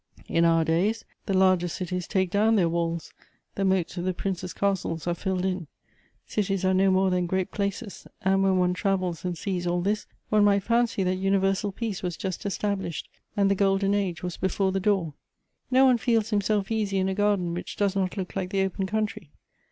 In our days, the largest cities take down their walls, the moats of the princes' castles are filled in ; cities are no more than great places, and when one travels and sees all this, one might fancy that universal peace was just established, and the golden age was before the door. No one feels himself easy in a gar den which does not look like the open country.